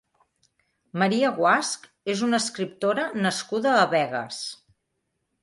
Maria Guasch és una escriptora nascuda a Begues.